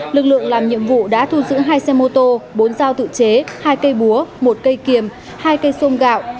lực lượng làm nhiệm vụ đã thu giữ hai xe mô tô bốn dao tự chế hai cây búa một cây kiềm hai cây xông gạo